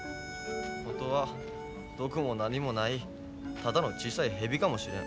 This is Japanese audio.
本当は毒も何もないただの小さい蛇かもしれん。